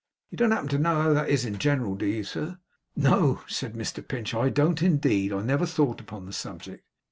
You don't happen to know how that is in general, do you, sir?' 'No,' said Mr Pinch, 'I don't indeed. I never thought upon the subject.